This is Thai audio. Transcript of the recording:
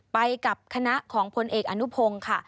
ไปกับคณะของพลเอกอนุพงศ์ค่ะ